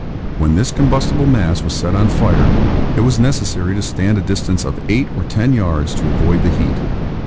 When this combustible mass was set on fire, it was necessary to stand at a distance of 8 or 10 yards to avoid the heat.